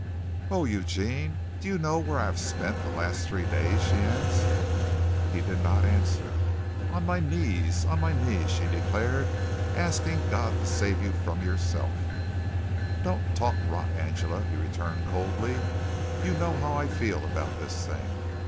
"Oh, Eugene, do you know where I have spent the last three days?" she asked. He did not answer. "On my knees. On my knees," she declared, "asking God to save you from yourself." "Don't talk rot, Angela," he returned coldly. "You know how I feel about this thing.